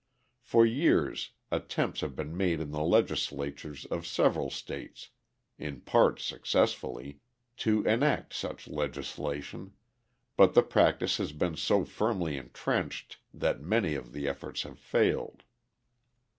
For years attempts have been made in the legislatures of several states (in part successfully) to enact such legislation, but the practice has been so firmly entrenched that many of the efforts have failed.